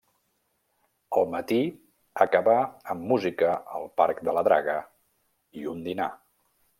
El matí acabà amb música al Parc de la Draga i un dinar.